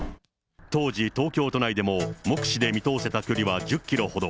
当時、東京都内でも目視で見通せた距離は１０キロほど。